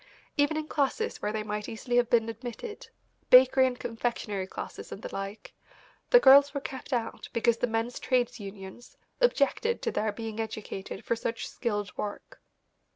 Even in classes where they might easily have been admitted, bakery and confectionery classes and the like, the girls were kept out because the men's trades unions objected to their being educated for such skilled work.